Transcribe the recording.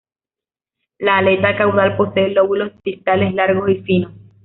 La aleta caudal posee lóbulos distales largos y finos.